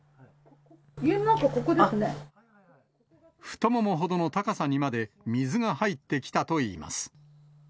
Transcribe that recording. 太ももほどの高さにまで水が入ってきたといいます。